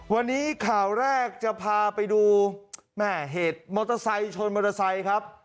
วันนี้ข่าวแรกจะพาไปดูแม่เหตุมอเตอร์ไซค์ชนมอเตอร์ไซค์ครับ